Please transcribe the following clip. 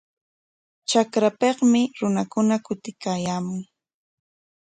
Trakrapikmi runakuna kutiykaayaamun.